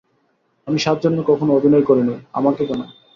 আমি সাত জন্মে কখনো অভিনয় করি নি– আমাকে কেন?